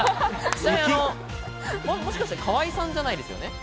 もしかして河井さんじゃないですよね？